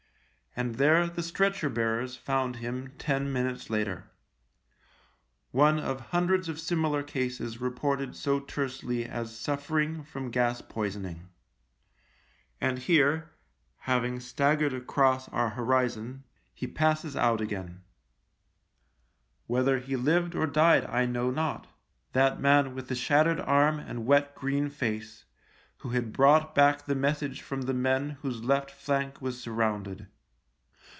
And there the stretcher bearers found him ten minutes later — one of hundreds of similar cases reported so tersely as " suffer ing from gas poisoning." And here — having staggered across our horizon — he passes out THE LIEUTENANT 55 again. Whether he lived or died I know not — that man with the shattered arm and wet green face, who had brought back the message from the men whose left flank was sur rounded.